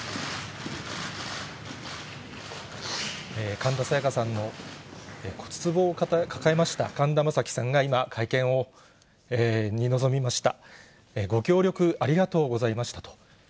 神田沙也加さんの骨つぼを抱えました、神田正輝さんが今、会見に臨みました。